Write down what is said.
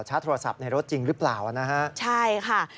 ชาร์จโทรศัพท์ในรถจริงหรือเปล่านะฮะ